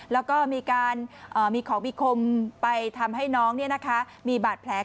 แล้วก็มีการมีของมีคมไปทำให้น้องมีบาดแผล